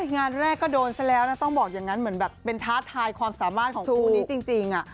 งานแรกก็โดนซะแล้วนะต้องบอกอย่างนั้นเหมือนแบบเป็นท้าทายความสามารถของคู่นี้จริง